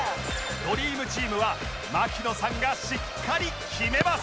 ドリームチームは槙野さんがしっかり決めます